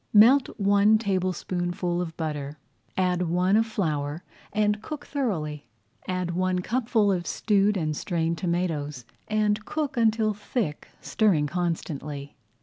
Melt one tablespoonful of butter, add one of flour, and cook thoroughly. Add one cupful of stewed and strained tomatoes and cook until thick, stirring constantly.